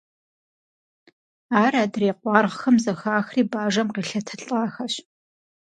Ар адрей къуаргъхэм зэхахри бажэм къелъэтылӀахэщ.